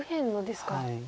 はい。